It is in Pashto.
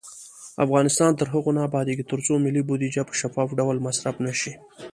افغانستان تر هغو نه ابادیږي، ترڅو ملي بودیجه په شفاف ډول مصرف نشي.